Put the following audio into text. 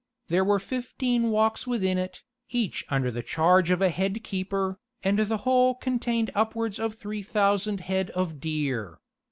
There were fifteen walks within it, each under the charge of a head keeper, and the whole contained upwards of three thousand head of deer.